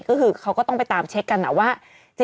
ก็คือเขาก็ต้องไปตามเช็คกันนะว่า